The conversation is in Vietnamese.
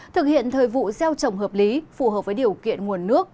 thực hiện thời vụ gieo trồng hợp lý phù hợp với điều kiện nguồn nước